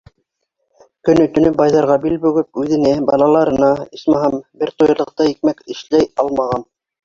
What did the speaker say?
Көнө-төнө байҙарға бил бөгөп, үҙенә, балаларына, исмаһам, бер туйырлыҡ та икмәк эшләй алмаған.